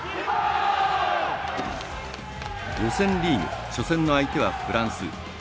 予選リーグ初戦の相手はフランス。